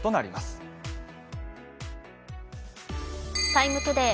「ＴＩＭＥ，ＴＯＤＡＹ」